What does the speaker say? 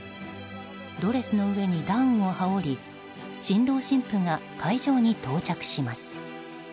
ドレスの上にダウンを羽織り新郎新婦が会場に到着します。